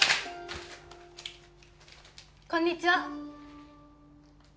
こんにちは